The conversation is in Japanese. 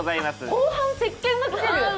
後半、せっけんが出てる。